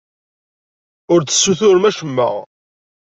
Ur d-tessutrem acemma.